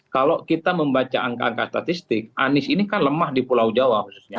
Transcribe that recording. kalau kita membaca angka angka statistik anies ini kan lemah di pulau jawa khususnya